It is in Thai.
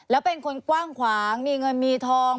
แล้วเป็นคนกว้างขวางมีเงินมีทอง